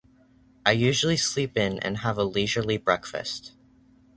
I usually sleep in and have a leisurely breakfast.